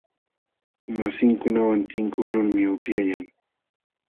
Masinkunawan tinkuqlulmi upyayan.